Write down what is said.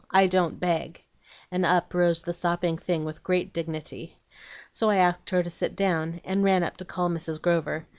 I don't beg.' And up rose the sopping thing with great dignity. "So I asked her to sit down, and ran up to call Mrs. Grover.